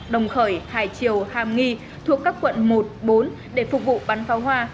đồng khởi hải triều hàm nghi thuộc các quận một bốn để phục vụ bắn pháo hoa